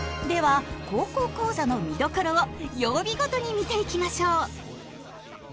では「高校講座」の見どころを曜日ごとに見ていきましょう！